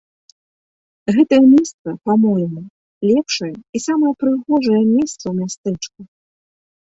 Гэтае месца, па-мойму, лепшае і самае прыгожае месца ў мястэчку.